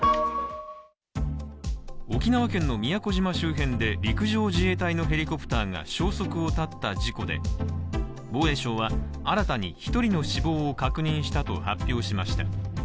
沖縄県の宮古島周辺で陸上自衛隊のヘリコプターが消息を絶った事故で防衛省は、新たに１人の死亡を確認したと発表しました。